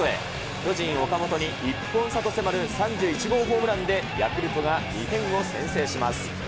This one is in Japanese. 巨人、岡本に１本差と迫る３１号ホームランで、ヤクルトが２点を先制します。